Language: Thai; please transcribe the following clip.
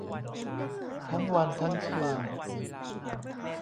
ทั้งวันทั้งคืน